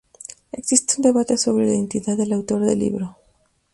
Existe un debate sobre la identidad del autor del libro.